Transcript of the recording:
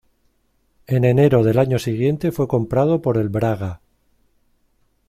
En enero del año siguiente fue comprado por el Braga.